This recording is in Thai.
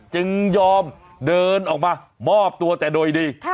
จึงยอมเดินออกมามอบตัวแต่โดยดี